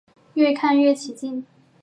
越看越起劲